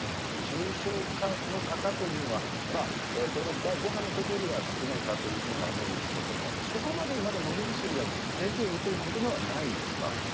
重症化の方というのは、これまで第５波のときよりは少ないかというふうには思うんですけども、そこまでまだ飲み薬が出ているということではないんですか？